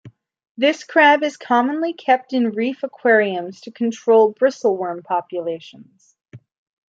This crab is commonly kept in reef aquariums to control bristle worm populations.